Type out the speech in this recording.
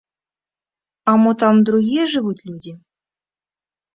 А мо там другія жывуць людзі?